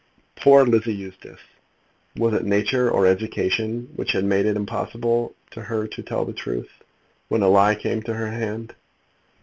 Poor Lizzie Eustace! Was it nature or education which had made it impossible to her to tell the truth, when a lie came to her hand?